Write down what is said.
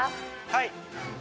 はい。